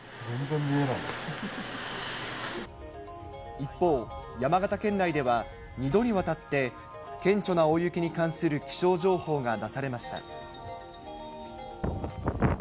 一方、山形県内では２度にわたって顕著な大雪に関する気象情報が出されました。